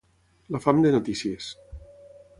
La fam de notícies.